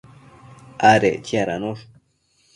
adec chiadanosh